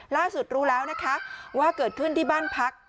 รู้แล้วนะคะว่าเกิดขึ้นที่บ้านพัก